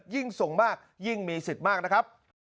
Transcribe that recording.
ยิ่งส่งมากยิ่งมีสิทธิ์มากนะครับ